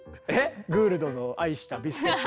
グールドの愛したビスケット。